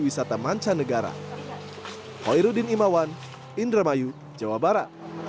destinasi wisata mancanegara